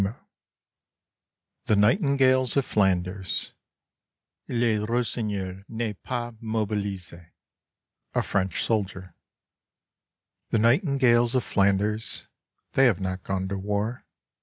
47 THE NIGHTINGALES OF FLANDERS ; Le rossignol n'est pas mobilise." A French Soldier. The nightingales of Flanders, They have not gone to war.